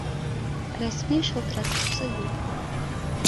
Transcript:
— Рәсми шылтыратыусы юҡ